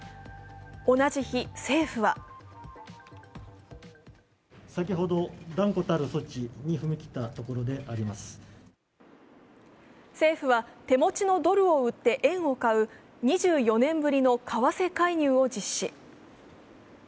同じ日、政府は政府は手持ちのドルを売って円を買う２４年ぶりの為替介入を実施。